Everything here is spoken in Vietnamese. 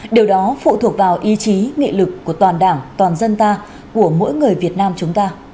điều đó phụ thuộc vào ý chí nghị lực của toàn đảng toàn dân ta của mỗi người việt nam chúng ta